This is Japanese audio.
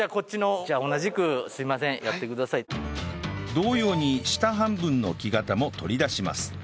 同様に下半分の木型も取り出します